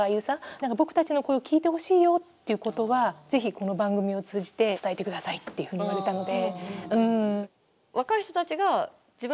僕たちの声を聞いてほしいよっていうことはぜひこの番組を通じて伝えてください」っていうふうに言われたので。